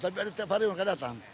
tapi ada tiap hari mereka datang